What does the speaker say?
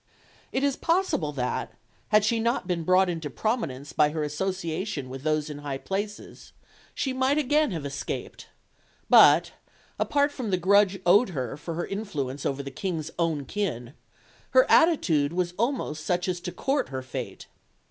It is possible that, had she not been brought into prominence by her association with those in high places, she might again have escaped; but, apart from the grudge owed her for her influence over the King's own kin, her attitude was almost such as to court her fate.